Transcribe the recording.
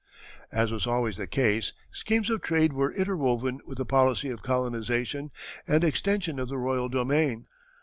As was always the case, schemes of trade were interwoven with the policy of colonization and extension of the royal domain.